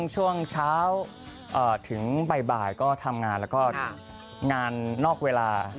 ช่วงเช้าถึงบ่ายก็ทำงานแล้วก็งานนอกเวลา